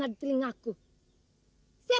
kau tidak terdengar di telingaku